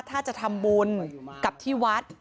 ถ้าจะทำบุญกับที่วัด